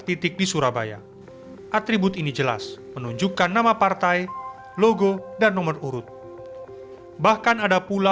titik di surabaya atribut ini jelas menunjukkan nama partai logo dan nomor urut bahkan ada pula